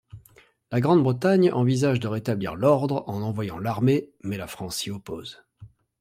La Grande-Bretagne envisage de rétablir l'ordre en envoyant l’armée mais la France s'y oppose.